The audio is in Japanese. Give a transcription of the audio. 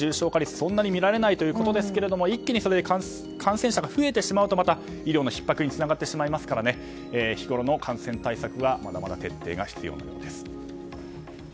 そんなに見られないということですが一気に感染者が増えてしまうと医療のひっ迫につながりますから日ごろの感染対策はまだまだ必要です。